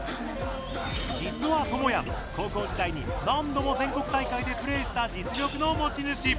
実は、ともやん、高校時代に何度も全国大会でプレーした実力の持ち主。